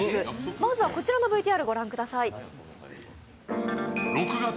まずはこちらのＶＴＲご覧ください。